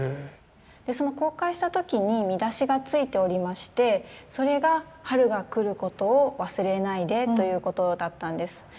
その公開した時に見出しが付いておりましてそれが「春が来ることを忘れないで」ということだったんです。